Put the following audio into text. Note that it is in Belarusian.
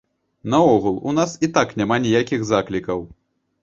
Наогул, у нас і так няма ніякіх заклікаў.